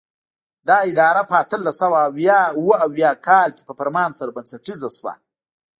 دا اداره په اتلس سوه اوه اویا کال کې په فرمان سره بنسټیزه شوه.